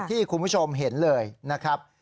ที่คุณผู้ชมเห็นเลยนะครับ